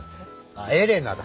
あエレナだ！